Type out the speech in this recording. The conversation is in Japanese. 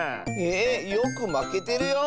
えよくまけてるよ。